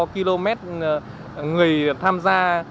km người tham gia